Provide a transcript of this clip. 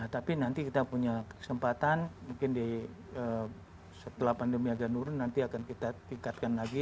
tapi nanti kita punya kesempatan mungkin setelah pandemi agak nurun nanti akan kita tingkatkan lagi